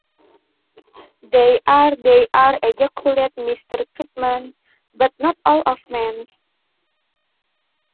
‘They are, they are,’ ejaculated Mr. Tupman; ‘but not all men'.